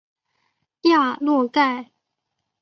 雅洛盖。